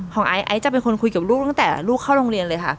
ไอไอซ์จะเป็นคนคุยกับลูกตั้งแต่ลูกเข้าโรงเรียนเลยค่ะ